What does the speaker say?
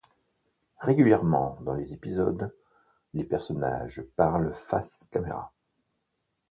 Régulièrement dans les épisodes, les personnages parlent face caméra.